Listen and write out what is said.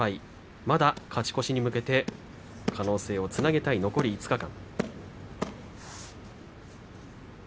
まだ勝ち越しに向けて可能性をつなげたい残り５日間。